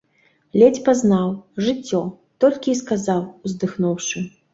Ледзь пазнаў. «Жыццё… »- толькі і сказаў, уздыхнуўшы.